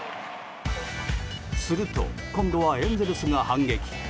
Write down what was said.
すると、今度はエンゼルスが反撃。